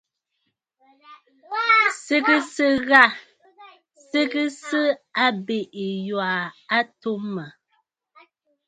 Sɨgɨsə ghâ! Sɨgɨgɨsə abèʼè yû a atu mə̀.